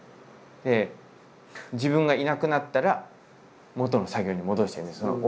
で自分がいなくなったらもとの作業に戻してるんですよ